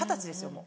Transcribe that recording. もう。